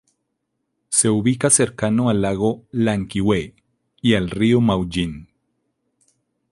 Se ubica cercano al Lago Llanquihue, y al Río Maullín.